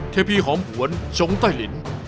เทพีหอมหวนชงใต้ลิ้น